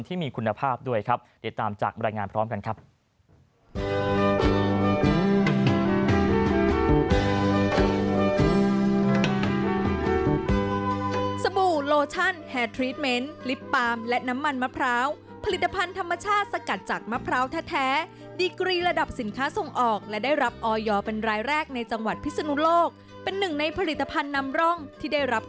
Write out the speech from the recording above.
ที่มีคุณภาพด้วยครับติดตามจากรายงานพร้อมกันครับ